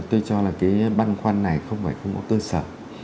tôi cho là cái băn khoăn này không phải không có cơ sở